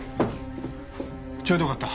ちょうどよかった。